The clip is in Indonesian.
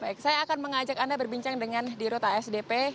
baik saya akan mengajak anda berbincang dengan di rota sdp